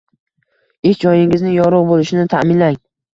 Ish joyingizni yorug‘ bo‘lishini ta’minlang.